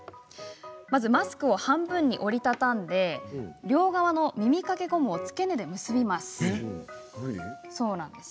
まずマスクを半分に折り畳んで両側の耳掛けゴムを付け根で結びます。